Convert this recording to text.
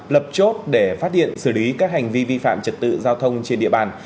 lập chốt để phát hiện xử lý các hành vi vi phạm trật tự giao thông trên địa bàn